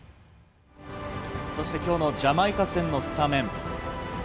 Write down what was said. そして、今日のジャマイカ戦のスタメン。